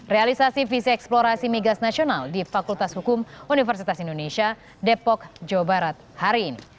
realisasi visi eksplorasi migas nasional di fakultas hukum universitas indonesia depok jawa barat hari ini